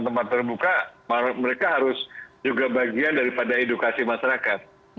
tempat terbuka mereka harus juga bagian daripada edukasi masyarakat